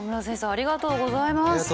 ありがとうございます！